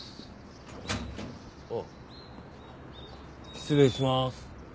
失礼します。